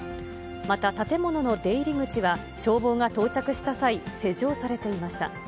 また建物の出入り口は、消防が到着した際、施錠されていました。